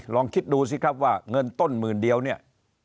ลองคิดดูสิครับว่าเงินต้นหมื่นเดียวเนี่ย